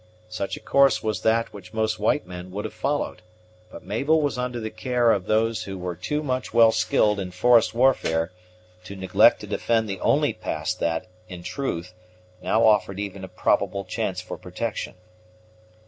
Such a course was that which most white men would have followed; but Mabel was under the care of those who were much too well skilled in forest warfare to neglect to defend the only pass that, in truth, now offered even a probable chance for protection.